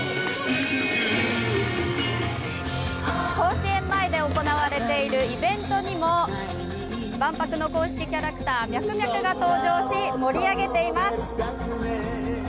甲子園前で行われているイベントにも万博の公式キャラクターミャクミャクが登場し盛り上げています。